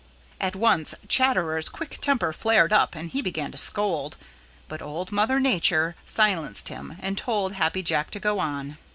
At once Chatterer's quick temper flared up and he began to scold. But Old Mother Nature silenced him and told Happy Jack to go on.